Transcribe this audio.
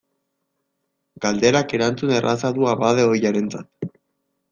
Galderak erantzun erraza du abade ohiarentzat.